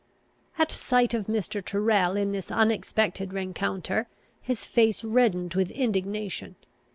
At sight of Mr. Tyrrel in this unexpected rencounter, his face reddened with indignation.